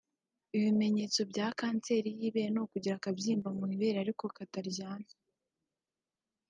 Ibimenyetso bya kanseri y’ibere ni ukugira akabyimba mu ibere ariko kataryana